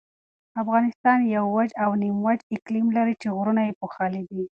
افغانستان یو وچ او نیمه وچ اقلیم لري چې غرونه یې پوښلي دي.